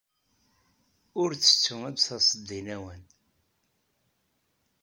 Ur ttettu ad d-taseḍ deg lawan.